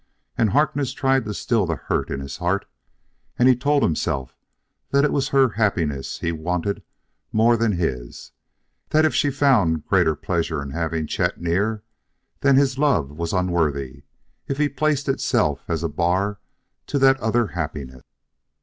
And Harkness tried to still the hurt in his heart, and he told himself that it was her happiness be wanted more than his; that if she found greater pleasure in having Chet near, then his love was unworthy if it placed itself as a bar to that other happiness.